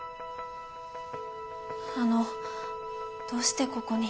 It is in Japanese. あのどうしてここに？